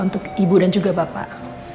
untuk ibu dan juga bapak